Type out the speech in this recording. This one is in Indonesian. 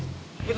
gua gak terima